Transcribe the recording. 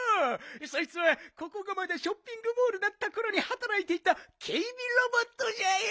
そいつはここがまだショッピングモールだったころにはたらいていたけいびロボットじゃよ。